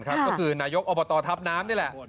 ก็คือนายกอบตทัพน้ำนี่แหละ